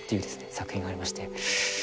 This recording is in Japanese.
作品がありまして。